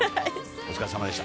お疲れさまでした。